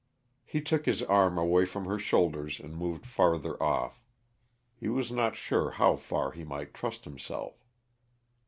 He took his arm away from her shoulders and moved farther off; he was not sure how far he might trust himself.